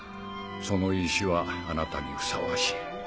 その石はあなたにふさわしい。